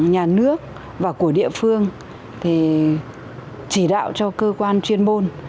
nhà nước và của địa phương thì chỉ đạo cho cơ quan chuyên môn